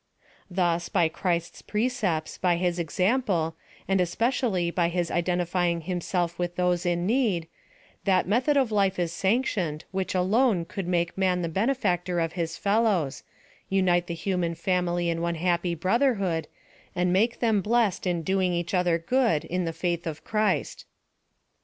Thus, by Christ's precepts, by his example, and especially by his identifying him self with those in need, that method of life is sane tioned, which alone could make man the benefactor of his fellows — unite the human family ki one happy brotherhood — and make them blessed in doing each other good, in the faith of Christ.